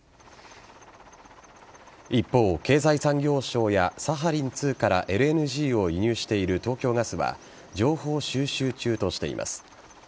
一方、経済産業省やサハリン２からＬＮＧを輸入している東京ガスは情報収集中としています。